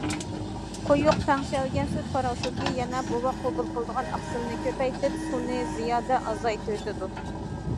قويۇق تەڭشەلگەن سۈت پاراشوكى يەنە بوۋاق قوبۇل قىلىدىغان ئاقسىلنى كۆپەيتىپ، سۇنى زىيادە ئازايتىۋېتىدۇ.